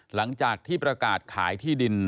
หลังจากที่ประกาศขายที่ดิน